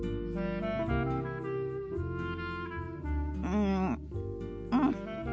うんうん。